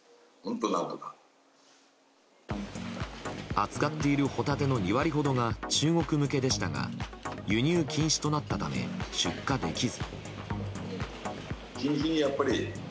扱っているホタテの２割ほどが中国向けでしたが輸入禁止となったため出荷できず。